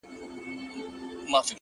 • پکښی وینو به یارانو د رڼا د بري څلی ,